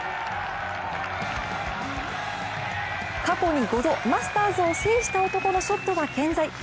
過去に５度マスターズを制した男のショットは健在。